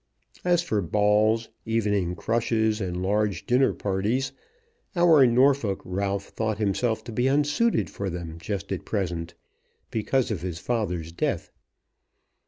As for balls, evening crushes, and large dinner parties, our Norfolk Ralph thought himself to be unsuited for them just at present, because of his father's death.